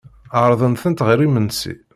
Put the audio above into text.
Ɛerḍen-tent ɣer imensi.